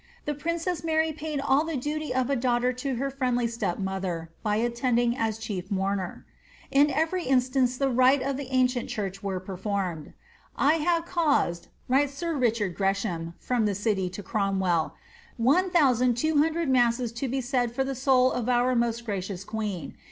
The princess Mary paid all the duty of a daughter to her friendly step mother, by attending as chief mourner.' In every instance, the rites of the ancient church were performed. ^ I have caused,'* writes sir Richard Gresham, from the city, to Cromwell,' ^ 1200 masses to be said for the soul of our most gracious queen.